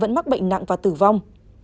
vẫn mắc bệnh nặng và tử vong